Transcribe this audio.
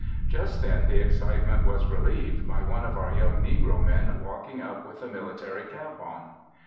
Just then the excitement was relieved by one of our young negro men walking up with a military cap on.